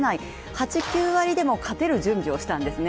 ８９割でも勝てる準備をしていたんですね、